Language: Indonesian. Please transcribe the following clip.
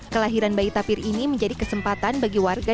kelahiran bayi tapir ini menjadi kesempatan bagi warga